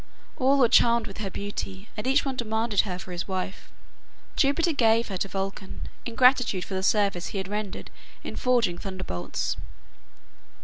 All were charmed with her beauty, and each one demanded her for his wife. Jupiter gave her to Vulcan, in gratitude for the service he had rendered in forging thunderbolts.